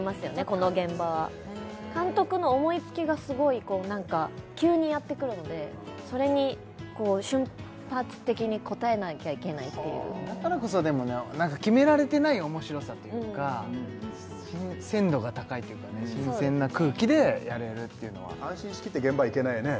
この現場は監督の思いつきがすごい何か急にやってくるのでそれに瞬発的に応えなきゃいけないっていうだからこそでもね何か決められてない面白さというか新鮮度が高いというかね新鮮な空気でやれるというのは安心しきって現場行けないよね